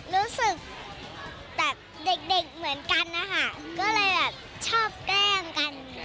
รู้สึกแบบเด็กเหมือนกันนะคะก็เลยแบบชอบแกล้งกัน